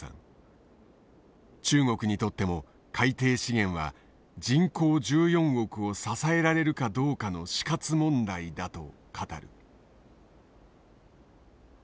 中国にとっても海底資源は人口１４億を支えられるかどうかの死活問題だと語る。